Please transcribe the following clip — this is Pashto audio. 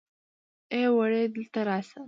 ای وړې دلته راشه.